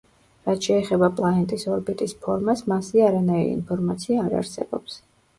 რაც შეეხება პლანეტის ორბიტის ფორმას, მასზე არანაირი ინფორმაცია არ არსებობს.